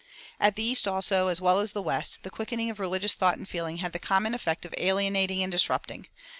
At the East also, as well as at the West, the quickening of religious thought and feeling had the common effect of alienating and disrupting.